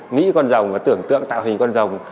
nghĩ con rồng và tưởng tượng tạo hình con rồng